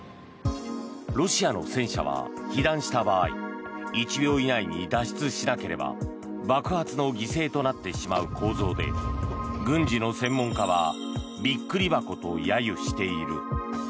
ロシアの戦車は被弾した場合１秒以内に脱出しなければ爆発の犠牲となってしまう構造で軍事の専門家はビックリ箱と揶揄している。